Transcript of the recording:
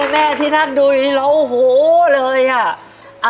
แม่ที่นักดูอยู่นี่แล้วโอ้โฮเลยอะ